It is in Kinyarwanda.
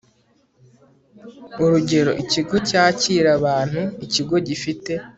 urugero ikigo cyakira abantu ikigo gifite